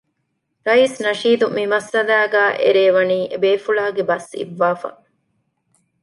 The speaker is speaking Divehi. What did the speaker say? ރައީސް ނަޝީދު މިމައްސަލާގައި އެރޭ ވަނީ އެބޭފުޅާގެ ބަސް އިއްވާފަ